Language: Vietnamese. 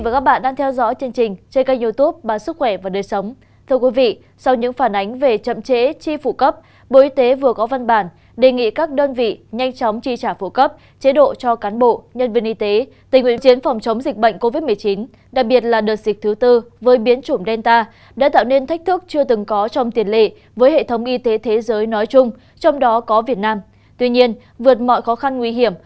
các bạn hãy đăng ký kênh để ủng hộ kênh của chúng mình nhé